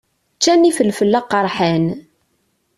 Ččan ifelfel aqeṛḥan.